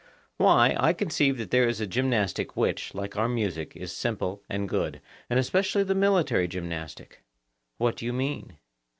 Why, I conceive that there is a gymnastic which, like our music, is simple and good; and especially the military gymnastic. What do you mean?